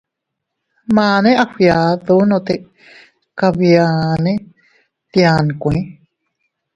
Maane a fgiadunote kabiane tia nkue.